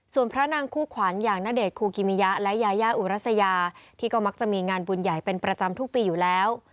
ส่วนพระนางคู่ขวัญอย่างณเดชนคูกิมิยะและยายาอุรัสยาที่ก็มักจะมีงานบุญใหญ่เป็นประจำทุกปีอยู่แล้ว